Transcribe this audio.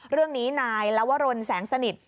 เรื่องนี้นายลวรนแสงสนิท